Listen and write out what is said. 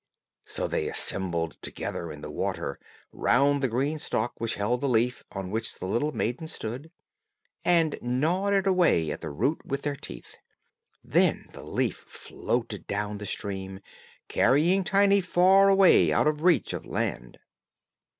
so they assembled together in the water, round the green stalk which held the leaf on which the little maiden stood, and gnawed it away at the root with their teeth. Then the leaf floated down the stream, carrying Tiny far away out of reach of land.